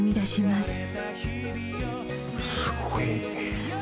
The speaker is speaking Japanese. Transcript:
すごい。